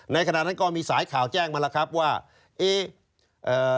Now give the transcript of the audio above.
ขณะนั้นก็มีสายข่าวแจ้งมาแล้วครับว่าเอ๊ะเอ่อ